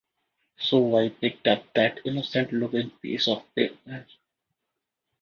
So I picked up that innocent-looking piece of paper.